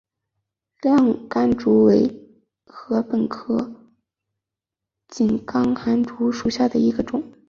亮竿竹为禾本科井冈寒竹属下的一个种。